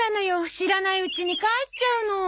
知らないうちに帰っちゃうの。